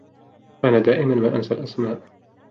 أنا دائما ما أنسى الأسماء.